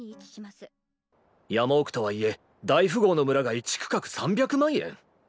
山奥とはいえ大富豪の村が一区画３００万円？